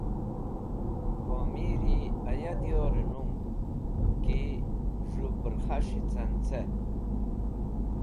Pomiri aya diyor nung ki z̃hũ pẽrkhas̃h ca’n ce.